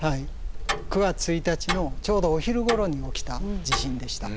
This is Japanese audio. ９月１日のちょうどお昼ごろに起きた地震でした。